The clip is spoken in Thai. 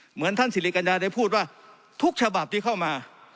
เหมือนท่านสิริกัญญาได้พูดว่าทุกฉบับที่เข้ามา